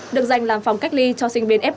được dành làm phòng cách ly cho sinh viên f hai